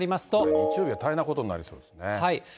日曜日は大変なことになりそうですね。